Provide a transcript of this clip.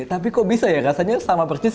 tapi kok bisa ya rasanya sama persis